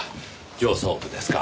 上層部ですか？